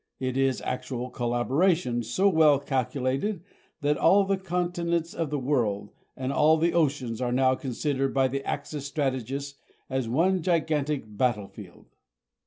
It is actual collaboration so well calculated that all the continents of the world, and all the oceans, are now considered by the Axis strategists as one gigantic battlefield.